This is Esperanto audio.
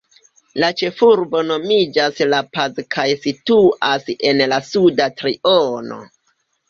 La ĉefurbo nomiĝas La Paz kaj situas en la suda triono.